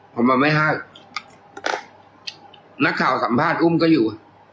ผมบอกไม่ให้นักข่าวสัมภาษณ์อุ้มก็อยู่